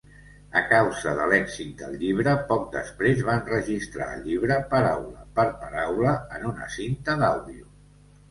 A causa de l'èxit del llibre, poc després va enregistrar el llibre, paraula per paraula, en una cinta d'àudio.